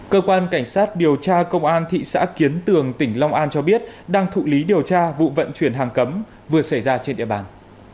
cơ quan cảnh sát điều tra công an thị xã kiến tường tỉnh long an cho biết đang thụ lý điều tra vụ vận chuyển hàng cấm vừa xảy ra trên địa bàn